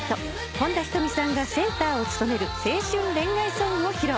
本田仁美さんがセンターを務める青春恋愛ソングを披露。